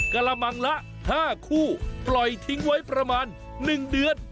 กระมังละ๕คู่ปล่อยทิ้งไว้ประมาณ๑เดือน